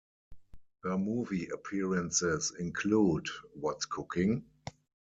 Her movie appearances include What's Cooking?